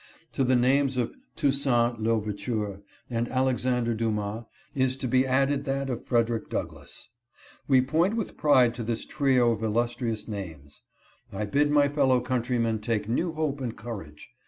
To the names of Toussaint L'Overture and Alexander Dumas is to be added that of Frederick Douglass. We point with pride to this trio of illustrious names. I bid my follow countrymen take new hope and courage.